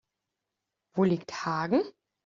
Wo liegt Hagen?